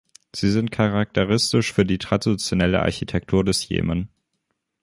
Sie sind charakteristisch für die traditionelle Architektur des Jemen.